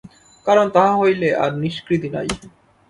কারণ তাহা হইলে আর নিষ্কৃতি নাই।